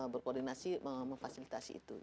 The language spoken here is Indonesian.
berkoordinasi memfasilitasi itu